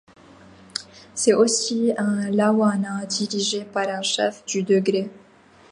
C'est aussi un lawanat dirigé par un chef du degré.